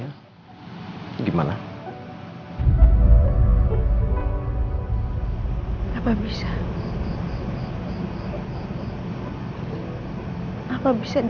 untuk menerima teddy